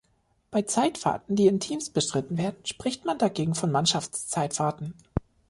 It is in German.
Bei Zeitfahren, die in Teams bestritten werden, spricht man dagegen von Mannschaftszeitfahren.